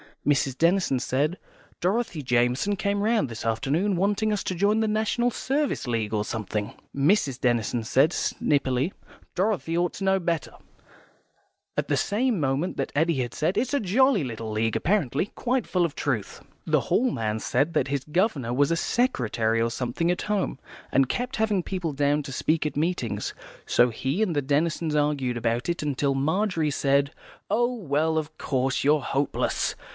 Miss Denison said, "Dorothy Jamison came round this afternoon, wanting us to join the National Service League or something." Mrs. Denison said, snippily, "Dorothy ought to know better," at the same moment that Eddy said, "It's a jolly little League, apparently. Quite full of truth." The Hall man said that his governor was a secretary or something at home, and kept having people down to speak at meetings. So he and the Denisons argued about it, till Margery said, "Oh, well, of course, you're hopeless.